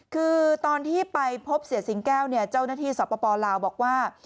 คือตอนที่ไปพบเสียสิงแก้วเนี่ยเจ้าหน้าที่สปลาวบอกว่า